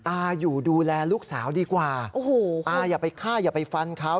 อาอยู่ดูแลลูกสาวดีกว่าโอ้โหอาอย่าไปฆ่าอย่าไปฟันเขา